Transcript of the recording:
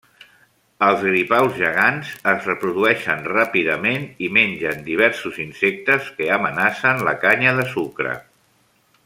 Els gripaus gegants reprodueixen ràpidament i mengen diversos insectes que amenacen la canya de sucre.